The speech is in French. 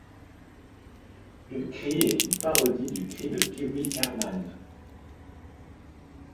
Le cri est une parodie du cri de Pee-Wee Herman.